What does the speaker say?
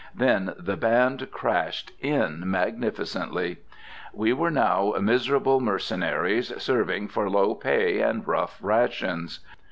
Then the band crashed in magnificently. We were now miserable mercenaries, serving for low pay and rough rations.